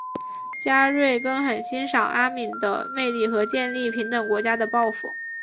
加瑞根很欣赏阿敏的魅力和建立平等国家的抱负。